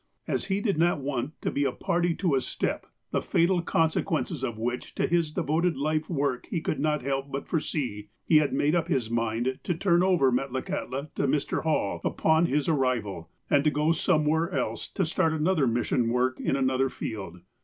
As he did not want to be a party to a step, the fatal consequences of which to his devoted life work he could not help but foresee, he had made up his mind to turn over Metlakahtla to Mr. Hall upon his ar rival, and to go somewhere else to start another mission work in another field.